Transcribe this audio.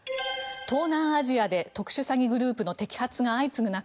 東南アジアで特殊詐欺グループの摘発が相次ぐ中